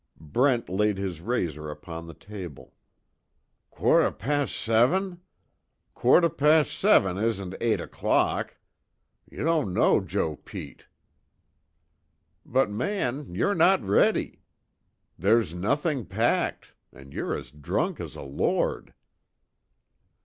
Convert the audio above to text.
Brent laid his razor upon the table: "Quar' pasht seven? Quar pasht seven isn't eight 'clock. You don' know Joe Pete." "But, man, you're not ready. There's nothing packed. And you're as drunk as a lord!"